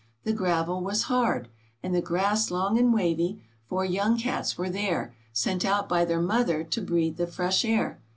The gravel was hard And the grass long and wavy; four young cats were there, Sent out by their mother to breathe the fresh air.